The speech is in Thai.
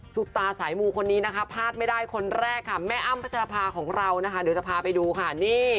จูบตาสายมูคฎนี้ผ้าดไม่ได้คนแรกแม่อ้ำเจรพาของเราเดี๋ยวจะพาไปดูค่ะ